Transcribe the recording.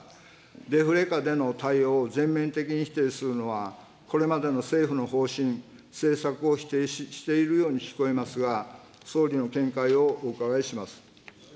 デフレ下での対応を全面的に否定するのは、これまでの政府の方針、政策を否定しているように聞こえますが、総理の見解をお伺いします。